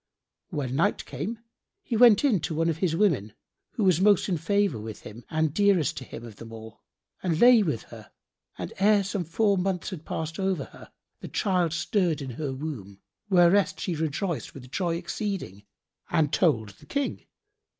When night came, he went in to one of his women, who was most in favour with him and dearest to him of them all, and lay with her: and ere some four months had passed over her, the child stirred in her womb, whereat she rejoiced with joy exceeding and told the King.